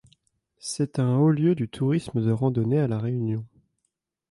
C'est un haut-lieu du tourisme de randonnée à La Réunion.